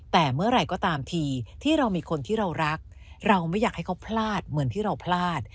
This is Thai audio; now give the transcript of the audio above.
แต่เมื่อไหร่ก็ตามทีที่เรามีคนที่เรารักเราไม่อยากให้เขาพลาดเหมือนที่เราพลาด